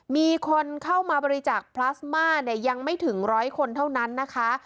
มีคนเข้ามาบริจาคพลาสมาเนี่ยยังไม่ถึงร้อยคนเท่านั้นนะคะ